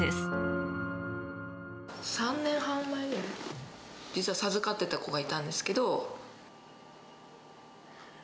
３年半前ぐらい、実は授かってた子がいたんですけど。